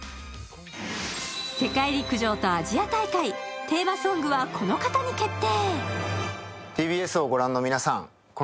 世界陸上とアジア大会、テーマソングはこの方に決定。